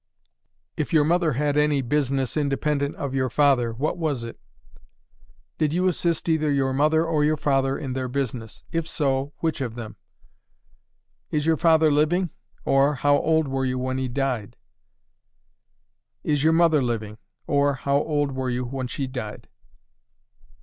"If your mother had any business independent of your father, what was it? "Did you assist either your mother or your father in their business? If so, which of them? "Is your father living? or how old were you when he died? "Is your mother living? or how old were you when she died?